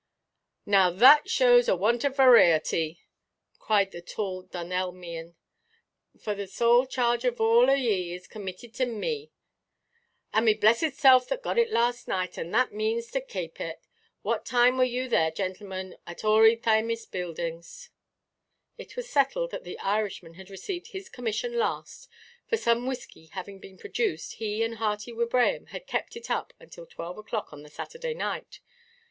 "Now that shows a want of vareaty," cried the tall Dunelmian, "for the sole charge of all of ye is commeeted to me." "Itʼs me blessed self that got it last, and that manes to kape it. What time wur you there, gintlemen, at Ory Thamis Buildings?" It was settled that the Irishman had received his commission last, for, some whisky having been produced, he and Hearty Wibraham had kept it up until twelve oʼclock on the Saturday night.